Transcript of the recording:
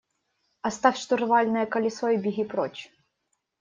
– Оставь штурвальное колесо и беги прочь.